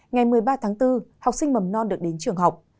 ngày một mươi ba tháng bốn học sinh mầm non được đến trường học